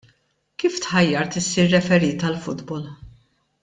Kif tħajjart issir referee tal-futbol?